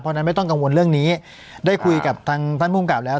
เพราะฉะนั้นไม่ต้องกังวลเรื่องนี้ได้คุยกับทางท่านภูมิกับแล้ว